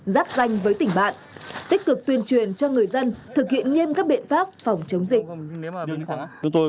giáp danh với tỉnh bạn tích cực tuyên truyền cho người dân thực hiện nghiêm các biện pháp phòng chống dịch